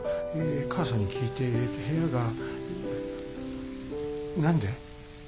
母さんに聞いて部屋が何で？